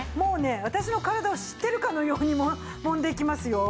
私の体を知ってるかのようにもんでいきますよ。